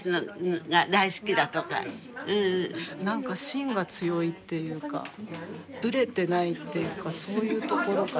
何か心が強いっていうかぶれてないっていうかそういうところかな。